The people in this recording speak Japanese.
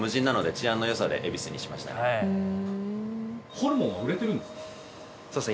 ホルモンは売れてるんですか？